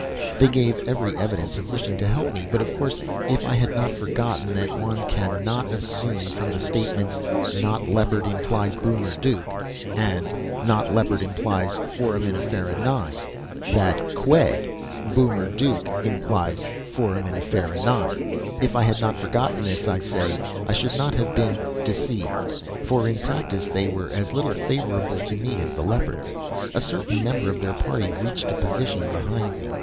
They gave every evidence of wishing to help me; but of course if I had not forgotten that one cannot assume from the statements "not Leopard implies Boomer Duke" and "not Leopard implies Foraminifera 9" that, qued, "Boomer Duke implies Foraminifera 9" ... if I had not forgotten this, I say, I should not have been "deceived." For in practice they were as little favorable to me as the Leopards. A certain member of their party reached a position behind me.